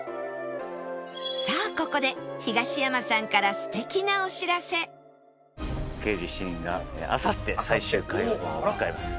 さあここで東山さんから『刑事７人』があさって最終回を迎えます。